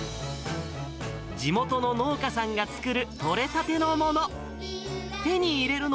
地元の農家さんが作る、取れたてのもの。